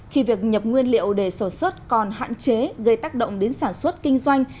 khi việc nhập nguyên liệu để sổ xuất còn hạn chế gây tác động đến sản xuất kinh doanh